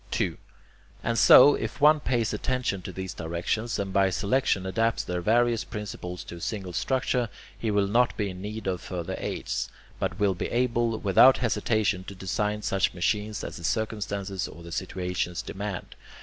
2. And so, if any one pays attention to these directions, and by selection adapts their various principles to a single structure, he will not be in need of further aids, but will be able, without hesitation, to design such machines as the circumstances or the situations demand.